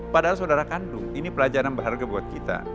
padahal saudara kandung ini pelajaran berharga buat kita